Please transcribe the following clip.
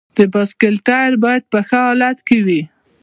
د بایسکل ټایر باید په ښه حالت کې وي.